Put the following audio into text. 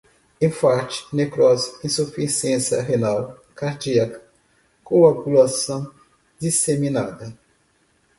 enfarte, necrose, insuficiência renal, cardíaca, coagulação, disseminada